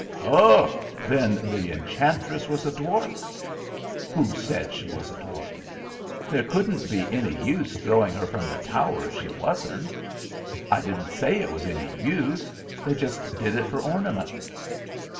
"Ho! Then the enchantress was a dwarf!" "Who said she was a dwarf?" "There wouldn't be any use throwing her from the tower if she wasn't." "I didn't say it was any use. They just did it for ornament."